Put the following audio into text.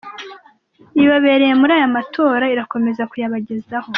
ibabereye muri aya matora irakomeza kuyabagezaho.